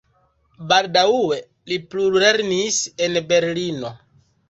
Baldaŭe li plulernis en Berlino.